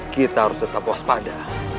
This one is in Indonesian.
kita harus tetap waspada